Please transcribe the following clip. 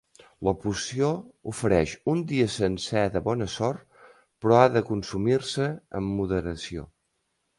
La poció ofereix un dia sencer de bona sort però ha de consumir-se amb moderació.